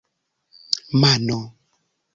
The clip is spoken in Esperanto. mano